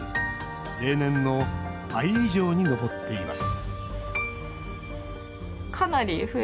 例年の倍以上に上っています